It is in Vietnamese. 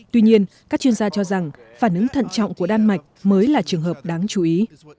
tuy nhiên các chuyên gia cho rằng phản ứng thận trọng của đan mạch mới là trường hợp đáng chú ý